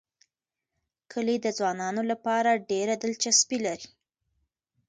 کلي د ځوانانو لپاره ډېره دلچسپي لري.